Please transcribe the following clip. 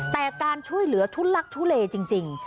แต่การช่วยเหลือทุลักทุเลจริง